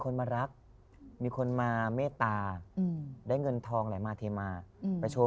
คนมารักมีคนมาเมตาอืมได้เงินทองอะไรมาเทมาอืมไปโชว์